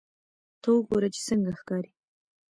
ته وګوره چې څنګه ښکاري